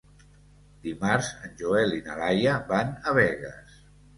Dimarts en Joel i na Laia van a Begues.